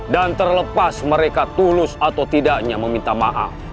dan terlepas mereka tulus atau tidaknya meminta maaf